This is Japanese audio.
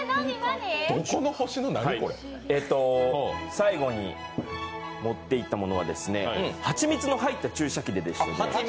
最後に持って行ったものは、蜂蜜の入った注射器ででしてね